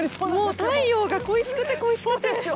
太陽が恋しくて恋しくて。